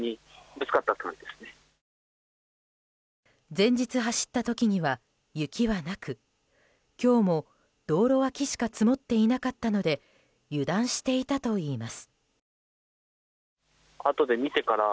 前日走った時には雪はなく今日も道路脇しか積もっていなかったので油断していたといいます。